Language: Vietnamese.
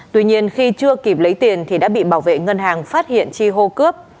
tuy nhiên khi chưa kịp lấy tiền thì đã bị bảo vệ ngân hàng phát hiện chi hô cướp